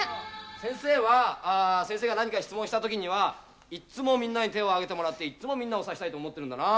先生は、先生が何か質問したときには、いっつもみんなに手を挙げてもらって、いっつもみんなを指したいと思ってるんだな。